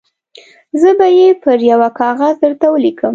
زه به یې پر یوه کاغذ درته ولیکم.